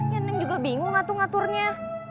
ya neng juga bingung atuh ngaturnya